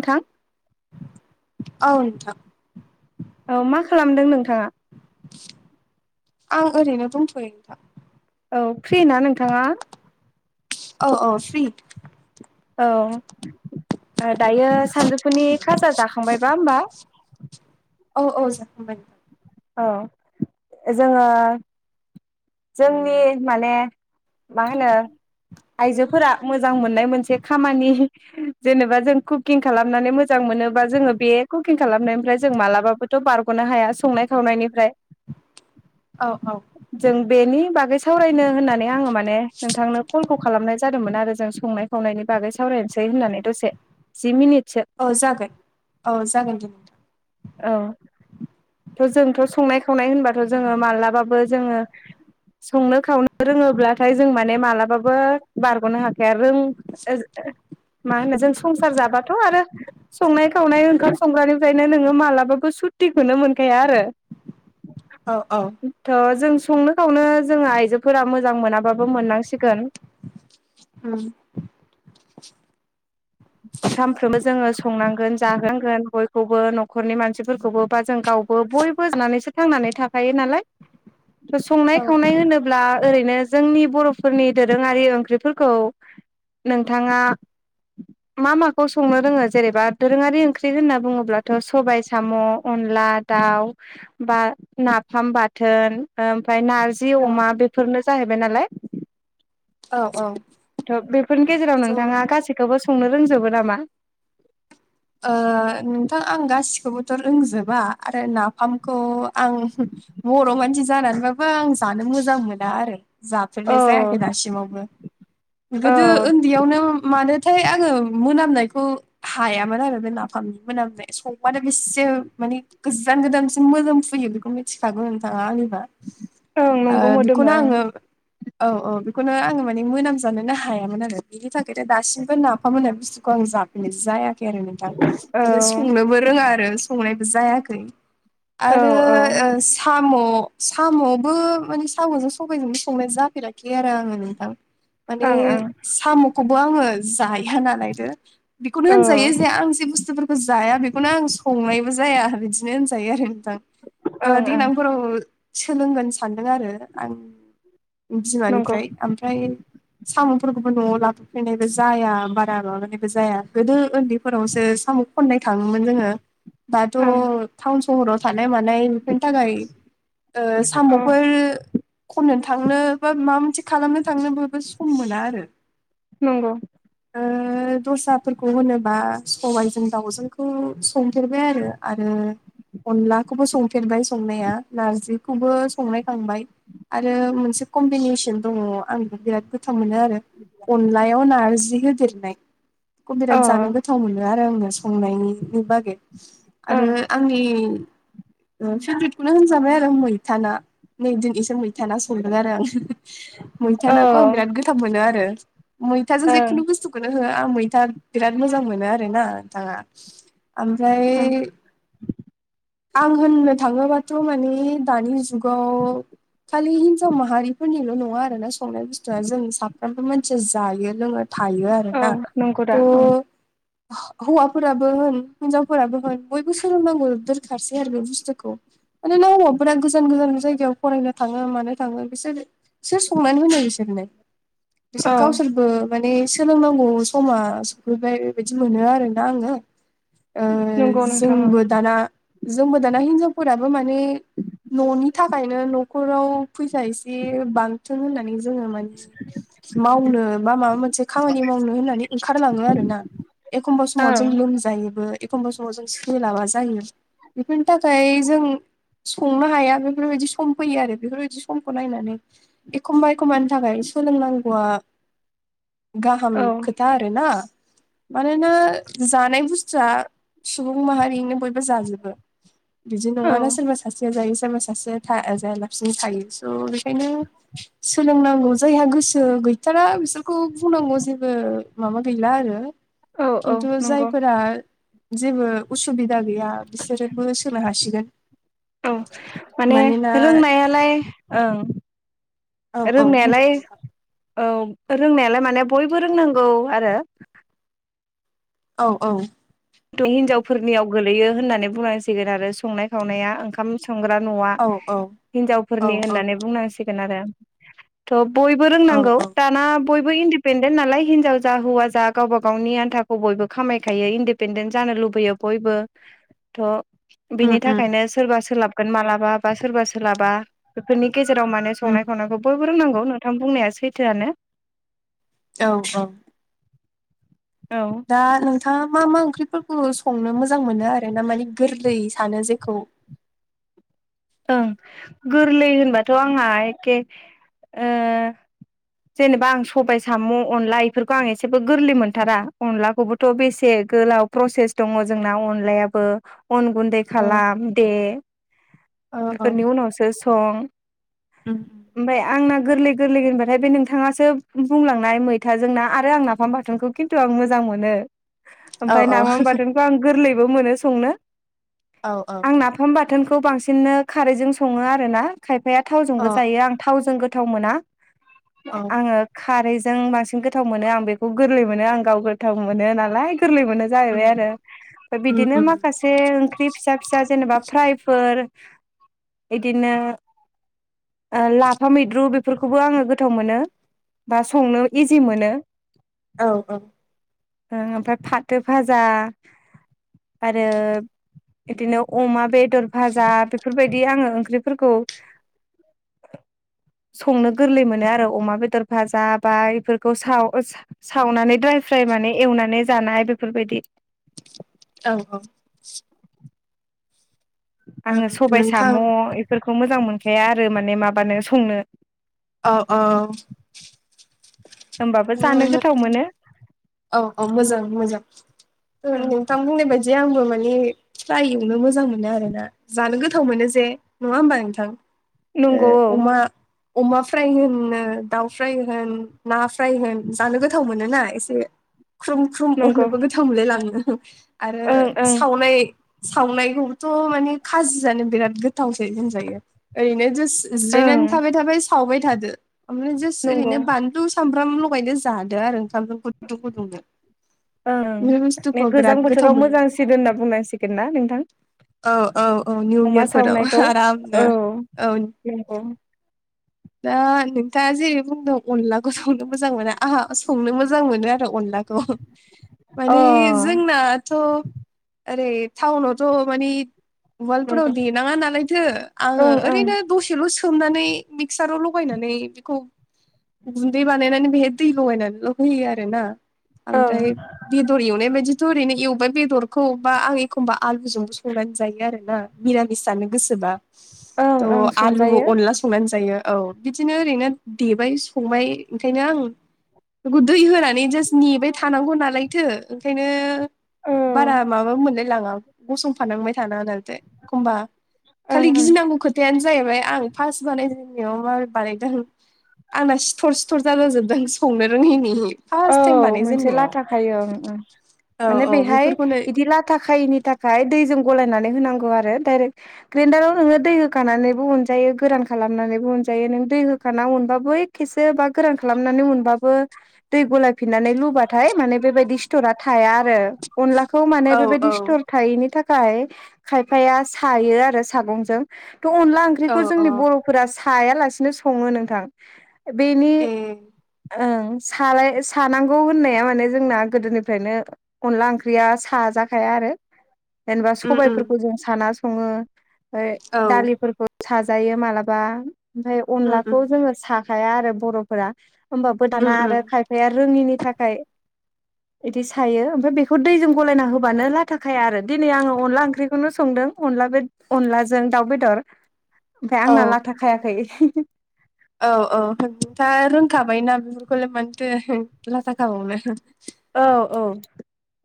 नोंथां [inaudible] औ नोंथां। औ मा खालामदों नोंथांङा? आं ओरैनो दंथ'यो नोंथांह औ फ्रि ना नोंथांङा? औ औ फ्रि औ दायो सानजौफुनि खाजा जाखांबायबा होमबा? औ औ जाखांबाय औ जोंङो जोंनि माने मा होनो आइजोफोरा मोजां मोननाय मोनसे खामानि जेनेबा जों कुकिं खालामनानै मोज मोजां मोनोबा जोंङो बे कुकिं खालामनायनिफ्राय जों मालाबाबोथ' बारग'नो हाया सम सावनायनिफ्राय औ औ जों बेनि बागै सावरायनो होननानै आंङो माने नोंथांनो कलखौ खालामनाय जा जादोंमोन आरो जों संनाय खावनायनि बागै सावरायनोसै होननानै दसे जि मिनिटसो औ जागोन औ जागोन दे। औ थ' जोंथ' संनाय खावनाय होनबाथ' जोंङो माल्लाबाबो जोंङो संनो खावनो रोंङोब्लाथाय जों माने मालाबाबो बारग'नो हा या रों मा होनो जों संसार जाबाथ' आरो संनाय खावनाय ओंखाम संग्रानिफ्रायनो नोंङो मालाबाबो सुतिखौनो मोनखाया आरो। औ औ [inaudible] थ' जों संनो खावनो जोंङो आइजोफोरा मोजां मोनाबाबो मोननांसिगोन। [unintelligible] सानफ्रोमबो जोंङो संनांगोन जाहांगोन बयखौबो न'खरनि मानसिफोरखौबो बा जों गावबो बयबो जानानैसो थांनानै थाखायो नालाय संनाय औ खावनाय होनोब ब्ला ओरैनो जोंनि बर'फोरनि दोरोंङारि ओंख्रिफोरखौ नोंथांङा मा माखौ संनो रोंङो जेनेबा दोरोंङारि ओंख्रि होनना बुंङोब्लाथ' सबायाइ, साम', अनला दाउ बा नाफाम बाथोन ओ ओमफाय नार जि अमा बेफोरनो जाहैबाय नालाय। औ औ थ' बेफोरनि गेजेराव स' ओ नोंथांङा गासैखौबो संनो रोंजोबो नामा? ओ नोंथां आं गासिखौबोथ' रोंजोबा आरो नाफामखौ आं बर' मानसि जानानैबाबो आं जानो मोजां मोना आरो। औ जाफेरनाय जायाखै दासिमावबो गोदो औ ओन्दैयावनो मानोथाय आंङो मोनामनायखौ हाया मोन आरो बे नाफामनि मोनामनाय संबानो बेसे माने गोजान गोदानसिम मोजां फुयो बेखौ मिथिखागौ नोंथांङा आंनिबा ओं नंगौ बेखौ नो मोदोमो आंङो औ औ बेखौनो आंङो माने मोनामजानोनो हायामोन आरो। बिनि थाखायथ' दासिमबो नाफामनाय बुस्थुखौ आं जाफैनाय जाया। रि आरो नोंथां ओ ओं संनोबो रोंङा आरो संनायबो जायाखै। औ आरो औ ओ साम' साम'बो माने साम'जों सबायजोंबो संनाय जाफेराखै आरो आंङो नोंथां [inaudible] माने ओं साम'खौबो आंङो जाया नालायदो बेखौनो औ होनजायो जे आं जे बुस्थुफोरखौ जाया बेखौनो आं संनायबो जाया बिदिनो होनजायो आरो नोंथां। ओ ओं ओं देनांफोराव सोलोंगोन सानदों आरो आं नंगौ बिमानिफ्राय आम फ्राय साम'फोरखौबो न'आव लाबोफैनायबो जाया बारा माबानायबो जाया गोदो ओन्दैफोरावसो साम' खननाय थांङोमोन जोंङो दाथ ओं सहराव थानाय मानाय बेफोरनि थाखाय ओ औ साम'फोर खननोनो थांनो बा माबा मोनसे खालामनो थांनो बयबो सम मोना आरो नंगौ ओ दस्राफोरखौ होनो बा सबाइजों दाउजोंखौ संफेरबाय आरो आरो अनलाखौबो संफेरबाय संनाया नारजिखौबो संनाय खांबाय आरो मोनसे कम्बिनेसन दङ आंबो बिराद गोथ थाव मोनो आरो अनलायाव नारजि होदेरनाय बेखौ अ बिराद जानो गो थाव मोनो आरो आङो संनायनि बागै आरो ओं आंनि ओम फेब्रेदखौनो होनजाबाय आरो मैथा ना नै दिन एसे मैथा ना संदों आरो आङो मैथा औ नाखौ आं बिराद गोथाव मोनो आरो मैथाजों जेखुनु ओं बुस्थुखौ खौनो हो आं मैथा बिराद मोजां मोनो आरो ना नोंथाङा ओमफ्राय आं होननो थाङोबाथ' मानि दानि जुगाव खालि हिनजाव माहारि फोरनिल' नङा आरो ना स संनाय बुस्थुआ जों साफ्रोमबो मानसिया जायो लोङो थायो आ औ रोना नंगौ दा थ' ओं हो हौवाफोराबो होन हिनजावफोराबो होन बयबो सोलोंनांगौ दोरखारसै आरो बे बुस्थुखौ मानो ना हौवाफोरा गोजान गोजान जायगायाव फरायनो थाङो मानो थाङो बिसोर सोर संनानै होनो बिसोरनो बिसोर औ गावसोरबो माने सोलोंनांगौ समा ओ सफैबाय बेबायदि मोनो आरोना आङो नंगौ ओ नोंथां जोंबो दाना जोंबो दाना हिनजावफोराबो माने न'नि थाखायनो न'खराव फैसा एसे बांथों होननानै जोङो मानि मावनो बा माबा मोनसे खामानि मावनो होननानै ओंखारलाङो आरोना एखमबा समाव जों ओं लोमजायोबो एखमबा समाव जों सोलाबा जायो बेफोरनि थाखाय जों संनो हाया बेफोरबायदि सम फैयो आरो बेफोरबायदि समखौ नायनानै एखमबा-एखमबानि थाखाय सोलोंनांगौआ गाहोम ओं खोथा आरो ना मानोना जानाय बुस्थुआ सुबुं माहारिनो बयबो जाजोबो बिदि औ नङाना सोरबा सासेया जायो सोरबा सासेया था जायाला बिदिनो थायो बेखायनो सोलोंनांगौ जायहा गो सो गैथारा बिसोरखौ बुंनांगौ जेबो माबा गैला आरो औ औ खिन्थु नंगौ जायफोरा जेबो उसुबिदा गैया रोबो सोनो हासिगोन मानोना नायालाय ओं औ औ बुंदो दे रोंनायालाय नोंथां औ रोंनायालाय माने बयबो रोंनांगौ आरो औ औ हिनजावफोरनियाव गोलैयो होननानै बुंनांसिगोन आरो संनाय- खावनाया ओंखाम संग्रा न'आ औ औ हिनजावफोरनि होननानै बुंनांसिगोन आरो थ' बयबो औ रोंनांगौ औ दाना बयबो इन्दिपेन्डेन्ट नालाय हिनजाव जा हौवा जा गावब गाव आन्थाखौ बयबो खामायखायो इन्दि पेनडेन्ट जानो लुबैयो बयबो थ' उम बिनि थाखाय उम खायनो सोरबा सोलाबगोन मालाबा बा सोरबा सोलाबा बेफोरनि गेजेराव माने उम संनाय-खावनायखौबो बो रोंनांगौ नोंथां बुंनाया सैथोआनो औ औ औ। दा नोंथाङा मा मा ओंख्रिफोरखौ संनो मोजां मोनो आरो ना माने गोरलै सानो जेखौ ओं गोरलै होनबाथ' आंहा एखे ओ जेनेबा आं सबाय साम' अनला इफोरखौ आं एसेबो गोरलै मोनथारा अनलाखौबो थ' बेसे गोलाव प्रसेस दङ जोंना अनलायाबो अन गुन्दै औ खालाम दे औ औ बेफोरनि उनावसो सं। उम ओमफाय आंना गोरलै गोरलै होनबाथाय बे नोंथांङासो बुंलांनाय मैथाजोंना आरो आं नाफाम बाथोनखौ खिन्थु आं मोजां मोनो औ ओमफाय औ नाबाम बाथोनखौ आं गोरलैबो मोनो संनो। औ औ। फाम बाथोनखौ बांसिननो खारैजों सङो आर ना खायफाया औ थावजोंबो जायो आं थावजों गोथाव मोना औ आङो खारैजों बांसिन गोथाव मोनो आं बेखौ गोरलै मोनो आं गाव गोथाव मोनो नालाय गोरलै मोनो। उम जाहैबाय आरो फाय उम बिदिनो उम माखासे ओंख्रि फिसा फिसा जेनेबा फ्रायफोर इदिनो ओ लाफा मैद्रु बेफोरखौबो आङो गोथाव मोनो। बा संनो इजि मोनो। औ औ ओ ओमफाय फाथो फाजा आरो इदिनो अमा बेदर भाजा बेफोरबायदि आङो ओंख्रिफोरखौ संनो गोरलै मोनो आरो अमा बेदर भाजा बा इफोरखौ साव ओस सावनानै ड्राय फ्राय माने एवनानै जानाय बेफोरबायदि। औ औ। ओ आङो सबाय साम' नोंथां इफोरखौ मोजां मोनखाया आरो माने माबानो संनो। अ औ। होमबाबो जानो गोथाव मोनो। औ औ मोजां मोजां। ओ नोंथां बुंनाय बायदि आंबो माने फ्राइ एवनो मोजां मोनो आरो ना। जानो गोथाव मोनो जे। नङा होमबा नोंथां? नंगौ ओ औ अमा अमा फ्राय होनो दाउ फ्राय होन ना फ्राय होन जानो गोथाव मोनो ना एसे। ख्रुम ख्रुम नंगौ अरनोबो गोथाव मोनलायलाङो आरो ओं ओं सावनाय सावनायखौ थ माने खाजि जानो बिराद गोथावसै होनजायो। ओरैनो जास जिरायनानै ओं थाबाय थाबाय सावबाय थादो ओमफ्राय जास नंगौ ओरैनो बानलु सामब्राम लगायदो जादो आरो ओंखामजों गुदुं गुदुंनो। ओं बे ने बुस्थुखौ गोजां बिराद गोथाव बोथोराव मोनो मोजांसिन होनना बुंनांसिगोन ना नोंथां। औ औ औ निउ अमा इयार फोराव सावनायखौ औ आरामनो औ। [unintelligible] दा नोंथाङा जेरै बुंदों अनलाखौ संनो मोजां मोना आहा संनो मोजां मोनो आरो अनला थ अ माने जोंनाथ' ओरै टाउनावथ मानि वालफोराव नंगौ देनाङा नालायथो आङो ओं ओं ओरैनो दसेल सोमनानै मिक्साराव लगायनानै बिखौ गुन्दै बानायनानै बेहाय दै लगायनानैल होयो आरो ना ओं आमफ्राय बेदर एवनाय बायदिथ' ओरैनो एवबाय बेदरखौबा आं एखमबा आलुजोंबो संनानै जायो आरो ना। मिरामि जानो गोसोबा ओं थ' ओं आलु संजायो अनला संनानै जायो। औ बिदिनो ओरैनो देबाय संबाय ओंखायनो आं बेखौ दै होना माने जास्ट नेबाय थानांगौ नालायथो ओंखायनो औ बारा ओं माबाबो मोनलाय लाङा गसंफानांबाय थानाङा दालायदो एखमबा खालि ओं गिनांगौ खोथायानो जाहैबाय आं फास बानाय आंनियाव माबोरै बानायदों आंना सिथर सिथर जाजा जोबदों संनो रोङिनि। औ फार्स्ट टाइम मोनसे बानायजेननायाव लाथाखायो ओं ओं। औ माने औ बेहाय बेफोरखौनो इदि लाथा खायिनि थाखाय दैजों गलायनानै होनांगौ आरो डायरेक्ट ग्रेन्डाराव नोङो दै होखानानैबो उनजायो गोरान खालामनानैबो उनजायो। नों दै होखाना उनबा बै खेसे बा गोरान खालामनानै मोनबाबो दै गलायफिननानै लुबाथाय माने बेबायदि स्टरा थाया आरो अनलाखौ माने औ बेबायदि औ सिथर थायैनि थाखाय खायफाया सायो आरो सागंजों थ अनला ओं औ ख्रिखौ औ जोंनि बर'फोरा साया लासिनो सङो नोंथां। बेनि ए ओं। सालाय सानांगौ होननाया माने जोंना गोदोनिफ्रायनो अनला ओंख्रिया साजाखाया आरो जेनेबा उम उम सबायफोरखौ जों साना सङो। ओमफ्राय औ उम दालिफोरखौ साजायो मालाबा ओमफाय उम अनलाखौ जोङो सा साया आरो बर'फोरा होमबाबो उम दाना आरो उम खायफाया रोङिनि थाखाय इदि सायो ओमफ्राय बेखौ दैजों गलायना होबानो लाथााखाया आरो दिनै आङो अनला ओंख्रिखौनो संदों अनला बे अनलाजों दाउ बेदर ओमफ्राय औ आंना लाथा खायाखै। औ औ [inaudible] रोंखाबाय ना बेफोरखौलाय मानोथो लाथा खाबावनो। औ औ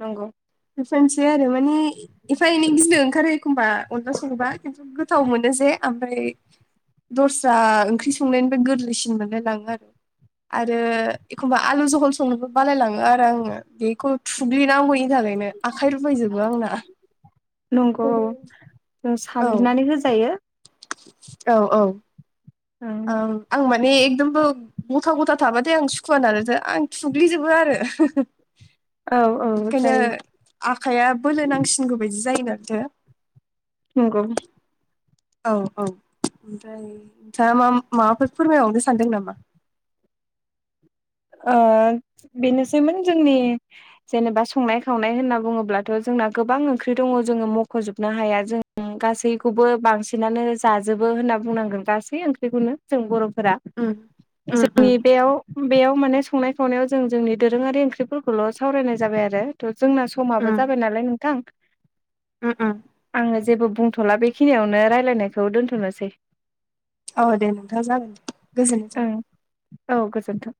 नंगौ। बेफोरनसै आरो माने एफा एनै गिनो ओंखारो एखमबा अनला सङोबा खिन्थु गोथाव मोनो जे ओमफ्राय दस्रा ओंख्रि संनायनिफ्राय गोरलैसिन मोनलाय लाङो आरो आरो एखमबा आलु जहल संनोबो बालायलाङो आरो आङो बेखौ थुग्लिनांगौनि थाखाय। ओनो आखाइ रुबायजोबो आंना। नंगौ औ जों औ साग्लिनानै होजायो। औ औ ओं आं माने एकदमबो गथा गथा थाबाथाय आं सुखुवा नालायथो आं थुग्लिजोबो आरो। औ औ ओंखायनो जायो आखाइया बोलो नांसिनगौ बायदि जायोनाथो। नोंगौ औ औ ओमफ्राय नोंथाङा मा-माबाफोर फोरमायबावनो सानदों नामा? ओ बेनोसैमोन जोंनि जेनेबा संनाय खावनाय होनना बुङोब्लाथ' जोंना गोबां ओंख्रि दङ जोङो मख'जोबनो हाया जों गासैखौबो बांसिनानो जाजोबो होनना बुंनांगोन गासै ओंख्रिखौनो जों बर'फोरा। उम उम उम जोंनि बेयाव बेयाव माने संनाय खावनायाव जों जोंनि दोरोङारि ओंख्रिफोरखौल' सावरायनाय जाबाय आरो। जोंना समाबो उम जाबाय नालाय नोंथां। उम उम आङो जेबो बुंथ'ला बेखिनियावनो रायलायनायखौ दोनथ'नोसै। औ दे नोंथां जागोन दे गोजोनथों। ओं औ गोजोनथों।